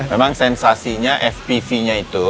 memang sensasinya fpv nya itu